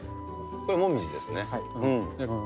これもみじですね。